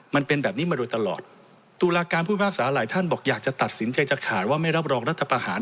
มันเป็นแบบนี้มาโดยตลอดตุลาการผู้พิพากษาหลายท่านบอกอยากจะตัดสินใจจะขาดว่าไม่รับรองรัฐประหาร